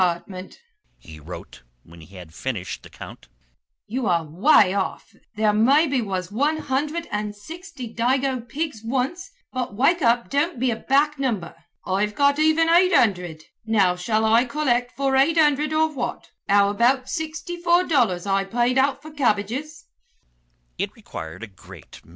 he wrote, when he had finished the count, "you are way off there may be was one hundred and sixty dago pigs once, but wake up don't be a back number. I've got even eight hundred, now shall I collect for eight hundred or what, how about sixty four dollars I paid out for cabbages."